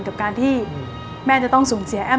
กับการที่แม่จะต้องสูญเสียแอ้ม